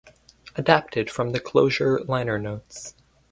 Adapted from the "Closure" liner notes.